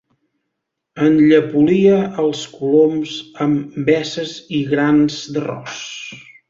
Enllepolia els coloms amb veces i grans d'arròs.